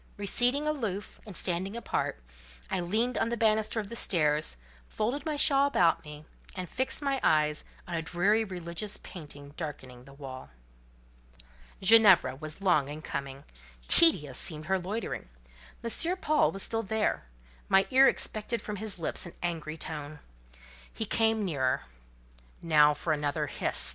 Receding aloof, and standing apart, I leaned on the banister of the stairs, folded my shawl about me, and fixed my eyes on a dreary religious painting darkening the wall. Ginevra was long in coming: tedious seemed her loitering. M. Paul was still there; my ear expected from his lips an angry tone. He came nearer. "Now for another hiss!"